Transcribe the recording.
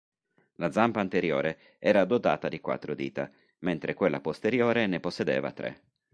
La zampa anteriore era dotata di quattro dita, mentre quella posteriore ne possedeva tre.